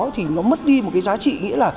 thì nó mất đi một cái giá trị